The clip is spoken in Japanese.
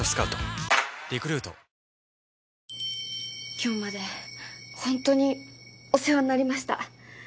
今日までホントにお世話になりました！